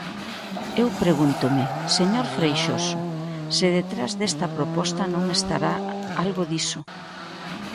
Eu pregúntome, señor Freixoso, se detrás desta proposta non estará algo diso.